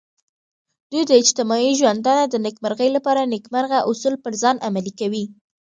دوی د اجتماعي ژوندانه د نیکمرغۍ لپاره نیکمرغه اصول پر ځان عملي کوي.